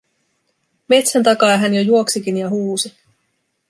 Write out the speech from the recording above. Metsän takaa hän jo juoksikin ja huusi: